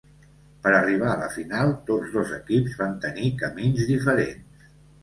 Per arribar a la final, tots dos equips van tenir camins diferents.